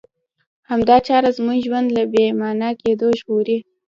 همدا چاره زموږ ژوند له بې مانا کېدو ژغوري.